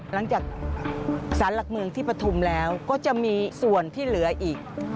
หลังจากสารหลักเมืองที่ปฐุมแล้วก็จะมีส่วนที่เหลืออีก